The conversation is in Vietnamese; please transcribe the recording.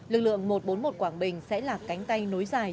lực lượng một trăm bốn mươi một quảng bình sẽ là cánh tay nối dài